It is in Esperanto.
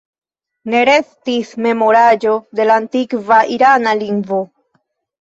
Ne restis memoraĵo de la antikva irana lingvo.